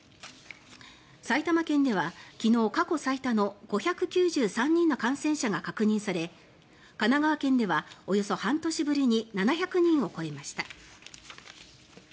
埼玉県では昨日、過去最多の５９３人の感染者が確認され神奈川県では、およそ半年ぶりに７００人を超えました。